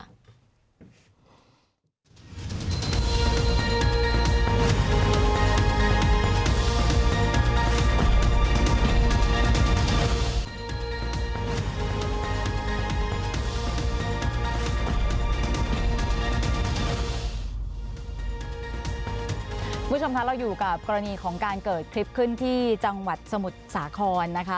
คุณผู้ชมคะเราอยู่กับกรณีของการเกิดคลิปขึ้นที่จังหวัดสมุทรสาครนะคะ